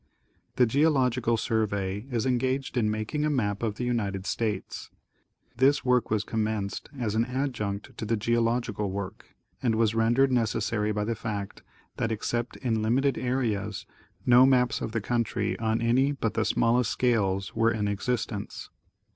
The Geological Survey is engaged in making a map of the United States. This work was commenced as an adjunct to the geological work, and was rendered necessary by the fact that, ex cept in limited areas, no maps of the country on any but the smallest scales were in existence.